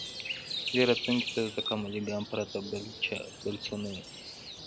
• دې راتلونکي ته د تکاملي ګام پرته بل څه نه و.